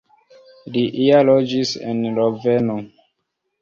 Li ja loĝis en Loveno.